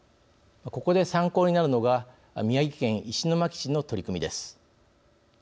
ここで参考になるのが宮城県石巻市の取り組みです。